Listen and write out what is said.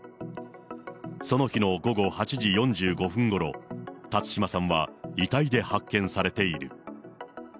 その日の午後８時４５分ごろ、辰島さんは遺体で発見されている。